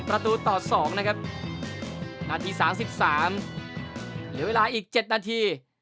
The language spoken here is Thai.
ประตูต่อสองนะครับนาทีสามสิบสามเหลือเวลาอีกเจ็ดนาที